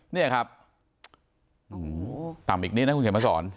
นี่ครับต่ำอีกนิดนะคุณเขียนมาสอน